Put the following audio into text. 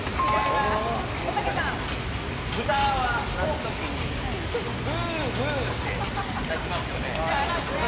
豚は鳴くときにブーブーって鳴きますよね。